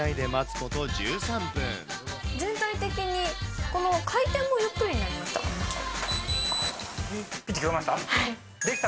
全体的にこの回転もゆっくりぴって聞こえました？